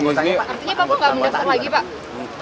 artinya pak wali nggak mendaftar lagi pak